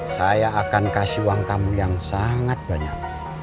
saya akan kasih uang tamu yang sangat banyak